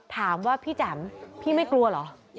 ถามว่าพี่แจ๋มพี่ไม่กลัวเหรอ